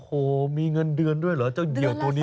โอ้โหมีเงินเดือนด้วยเหรอเจ้าเหี่ยวตัวนี้